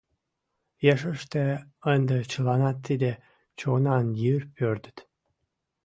Ешыште ынде чыланат тиде чонан йыр пӧрдыт.